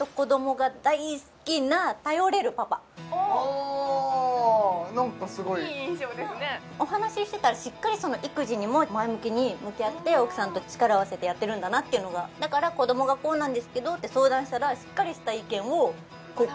とにかくおなんかすごいいい印象ですねお話ししてたらしっかり育児にも前向きに向き合って奥さんと力を合わせてやってるんだなっていうのがだから子どもがこうなんですけどって相談したら頼れますね